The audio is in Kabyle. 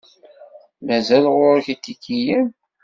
Mazal ɣur-k itikiyen?